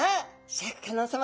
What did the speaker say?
シャーク香音さま